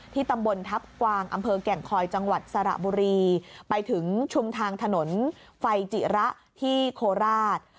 ตำบลทัพกวางอำเภอแก่งคอยจังหวัดสระบุรีไปถึงชุมทางถนนไฟจิระที่โคราช